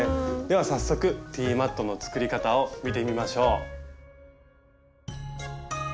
では早速ティーマットの作り方を見てみましょう。